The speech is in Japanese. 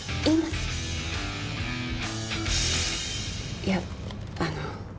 いやあの。